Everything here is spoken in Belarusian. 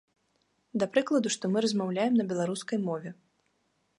Да прыкладу, што мы размаўляем на беларускай мове.